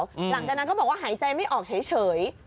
หลังจากนั้นเขาบอกว่าหายใจไม่ออกเฉย